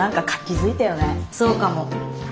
そうかも。